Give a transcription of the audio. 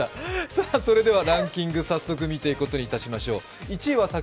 ランキング、早速見ていくことにしましょう。